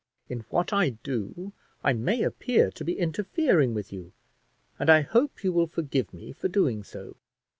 In what I do I may appear to be interfering with you, and I hope you will forgive me for doing so."